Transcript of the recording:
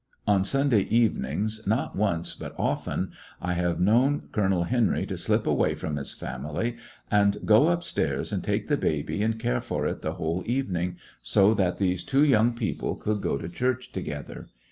Ob Sunday evenings^ not once bnt often^ I have known Colonel Henry to slip away from his family and go up stairSj and take the baby and care for it the whole even ingj so that these two young people could go to church together.